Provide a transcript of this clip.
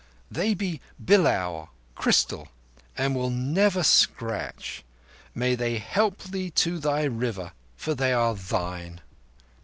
"They be bilaur—crystal—and will never scratch. May they help thee to thy River, for they are thine."